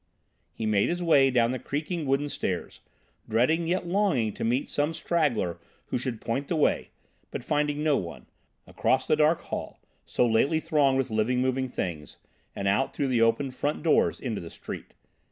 He made his way down the creaking wooden stairs, dreading yet longing to meet some straggler who should point the way, but finding no one; across the dark hall, so lately thronged with living, moving things, and out through the opened front doors into the street.